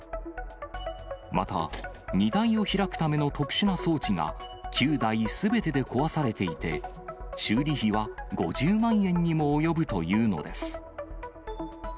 また、荷台を開くための特殊な装置が、９台すべてで壊されていて、修理費は５０万円にも及ぶというのです。